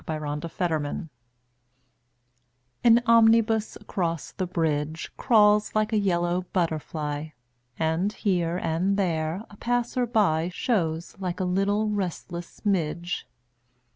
SYMPHONY IN YELLOW AN omnibus across the bridge Crawls like a yellow butterfly And, here and there, a passer by Shows like a little restless midge.